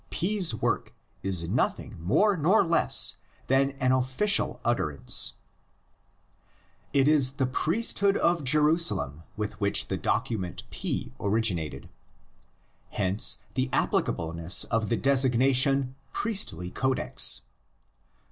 P's work is nothing more nor less than an official utterance. CODEX AND FINAL REDACTION. 155 It is the priesthood of Jerusalem with which the document P originated. Hence the applicableness of the designation "Priestly Codex."